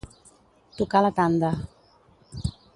Tocar la tanda.